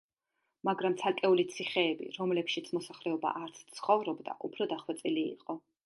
მაგრამ ცალკეული ციხეები, რომლებშიც მოსახლეობა არც ცხოვრობდა, უფრო დახვეწილი იყო.